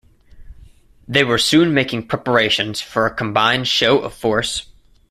They were soon making preparations for a combined show of force.